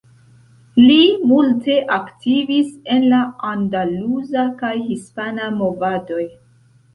Li multe aktivis en la andaluza kaj hispana movadoj.